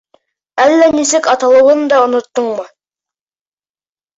Әллә нисек аталыуын да оноттоңмо?